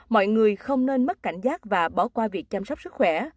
mọi người không nên mất cảnh giác và bỏ qua việc chăm sóc sức khỏe